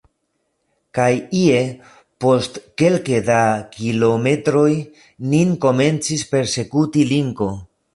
Kaj ie, post kelke da kilometroj, nin komencis persekuti linko.